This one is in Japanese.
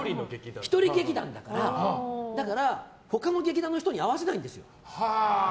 １人劇団だから、他の劇団の人に合わせないんですよ。